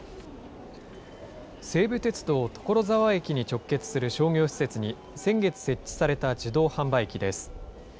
西武鉄道所沢駅に直結する商業施設に先月設置された自動販売機です。